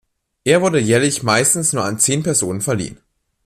Er wurde jährlich meistens nur an zehn Personen verliehen.